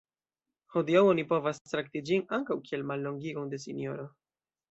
Hodiaŭ oni povas trakti ĝin ankaŭ kiel mallongigon de sinjoro.